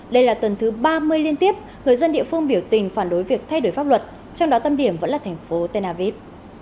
đây là tuần thứ ba mươi liên tiếp người dân địa phương biểu tình phản đối việc thay đổi pháp luật trong đó tâm điểm vẫn là thành phố tel aviv